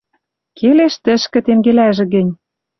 Келеш тӹшкӹ, тенгелӓжӹ гӹнь».